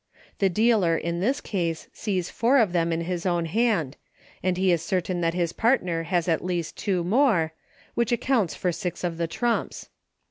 The dealer, in this case, sees four of them in his own hand, and he is certain that his partner has at least two more, which accounts for six of the trumps.